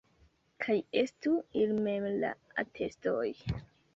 Kaj estu ili mem la atestoj.